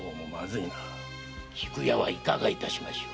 菊屋はいかがしましょう？